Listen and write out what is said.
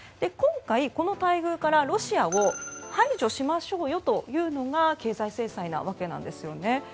今回、この待遇からロシアを排除しましょうよというのが経済制裁なわけですね。